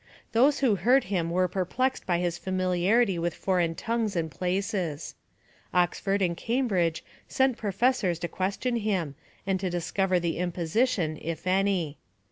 Those who heard him were perplexed by his familiarity with foreign tongues and places. Oxford and Cambridge sent professors to question him, and to discover the imposition, if any.